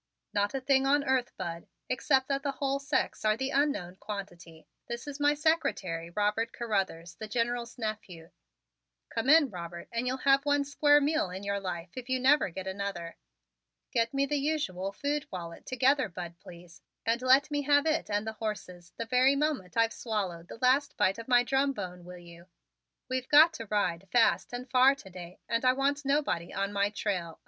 "Not a thing on earth, Bud; except that the whole sex are the unknown quantity. This is my secretary, Robert Carruthers, the General's nephew. Come in, Robert, and you'll have one square meal in your life if you never get another. Get me the usual food wallet together, Bud, please, and let me have it and the horses the very moment I've swallowed the last bite of my drum bone, will you? We've got to ride fast and far to day and I want nobody on my trail.